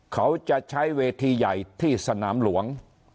เขาจะใช้เวทีใหญ่ที่สนามหลวง